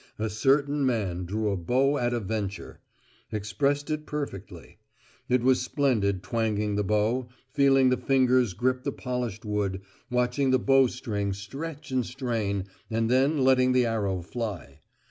"A certain man drew a bow at a venture," expressed it perfectly. It was splendid twanging the bow, feeling the fingers grip the polished wood, watching the bow string stretch and strain, and then letting the arrow fly.